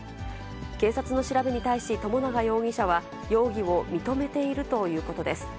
警察の調べに対し、友永容疑者は容疑を認めているということです。